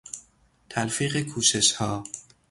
تلفیق کوششها